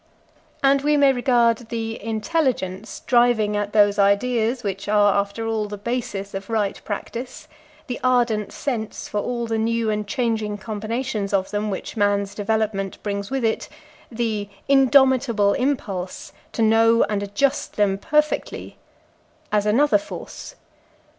And we may regard the intelligence driving at those ideas which are, after all, the basis of right practice, the ardent sense for all the new and changing combinations of them which man's development brings with it, the indomitable impulse to know and adjust them perfectly, as another force.